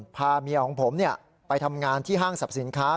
พาเมียของผมไปทำงานที่ห้างสรรพสินค้า